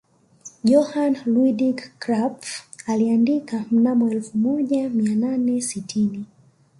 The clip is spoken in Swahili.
Johann Ludwig Krapf aliandika mnamo elfu moja mia nane sitini